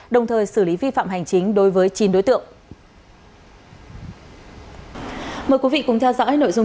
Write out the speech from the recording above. đồng thời xử lý vi phạm hành chính đối với chín đối tượng